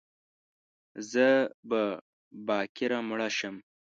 زه به باکره مړه شم